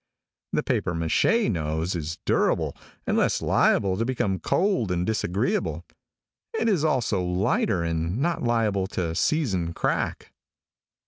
The papier maché nose is durable and less liable to become cold and disagreeable. It is also lighter and not liable to season crack.